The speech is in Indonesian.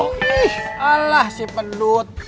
ih alah si pedut